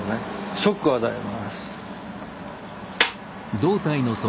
ショックを与えます。